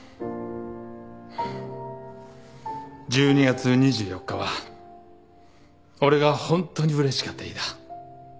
１２月２４日は俺がホントにうれしかった日だ。